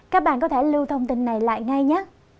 các bạn có thể lưu thông tin này lại ngay nhắc